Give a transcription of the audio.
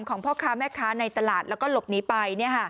พ่อค้าแม่ค้าในตลาดแล้วก็หลบหนีไป